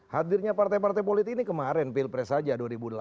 hadirnya partai partai politik ini kemarin pilpres saja dua ribu delapan belas